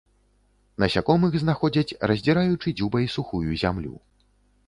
Насякомых знаходзяць, раздзіраючы дзюбай сухую зямлю.